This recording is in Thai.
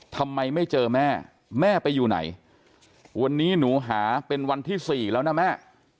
ทำไมไม่เจอแม่แม่ไปอยู่ไหนวันนี้หนูหาเป็นวันที่สี่แล้วนะแม่